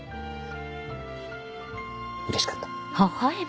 うれしかった。